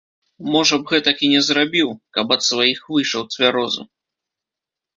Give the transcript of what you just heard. Можа б гэтак і не зрабіў, каб ад сваіх выйшаў цвярозым.